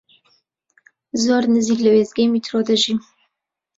زۆر نزیک لە وێستگەی میترۆ دەژیم.